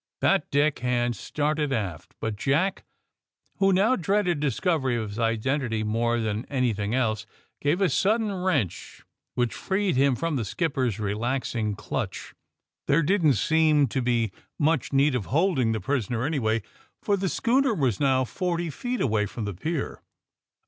'' That deck hand started aft. But Jack, who now dreaded discovery of his identity more than anything else, gave a sudden wrench which freed him from the skipper's relaxing clutch. There didn't seem to he much need of hold ing the prisoner, anyway, for the schooner was now some forty feet away from the pier.